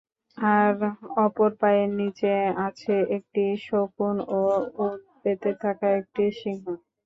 আর অপর পায়ের নিচে আছে একটি শকুন ও ওঁৎ পেতে থাকা একটি সিংহ।